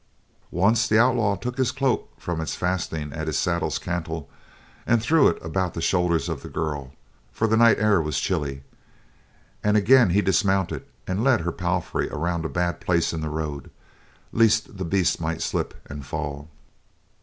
Once the outlaw took his cloak from its fastenings at his saddle's cantel and threw it about the shoulders of the girl, for the night air was chilly, and again he dismounted and led her palfrey around a bad place in the road, lest the beast might slip and fall.